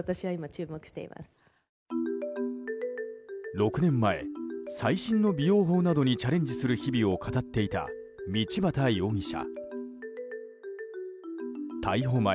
６年前、最新の美容法などにチャレンジする日々を語っていた道端容疑者。